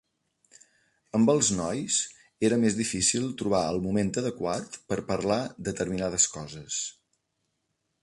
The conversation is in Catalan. Amb els nois, era més difícil trobar el moment adequat per parlar determinades coses.